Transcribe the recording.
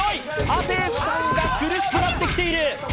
亜生さんが苦しくなってきている。